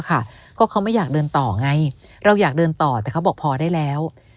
ก็เขาไม่อยากเดินต่อไงเราอยากเดินต่อแต่เขาบอกพอได้แล้ว